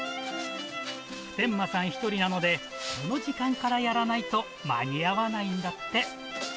普天間さん１人なので、この時間からやらないと間に合わないんだって。